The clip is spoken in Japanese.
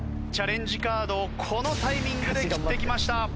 チャレンジカードをこのタイミングで切ってきました。